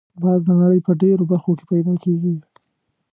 باز د نړۍ په ډېرو برخو کې پیدا کېږي